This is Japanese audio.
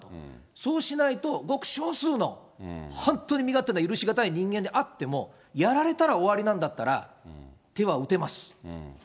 そうしないと、ごく少数の本当に身勝手な許し難い人間であっても、やられたら終わりなんだったら、手は打てます。